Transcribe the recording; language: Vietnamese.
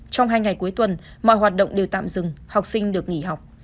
trong hai ngày cuối tuần mọi hoạt động đều tạm dừng học sinh được nghỉ học